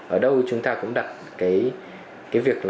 ở đâu chúng ta cũng đặt việc